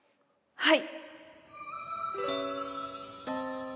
はい。